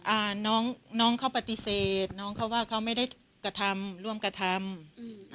อ่าน้องน้องเขาปฏิเสธน้องเขาว่าเขาไม่ได้กระทำร่วมกระทำอืม